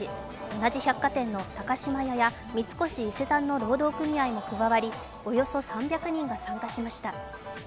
同じ百貨店の高島屋や三越伊勢丹の労働組合も加わりおよそ３００人が参加しました。